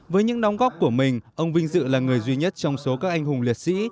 với những đóng góp của mình ông vinh dự là người duy nhất trong số các anh hùng liệt sĩ